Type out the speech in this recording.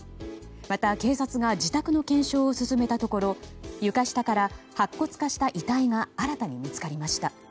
また、警察が自宅の検証を進めたところ床下から白骨化した遺体が新たに見つかりました。